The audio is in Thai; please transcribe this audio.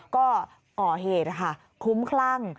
ก็ก่อเหตุค่ะคุ้มคลั่ง